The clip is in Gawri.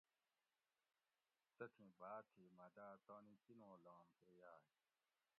تتھیں باۤ تھی مہ داۤ تانی کینول لام کہ یاۤئ